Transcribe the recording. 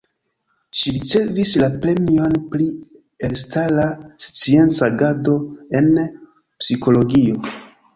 Ŝi ricevis la premion pri elstara scienca agado en Psikologio.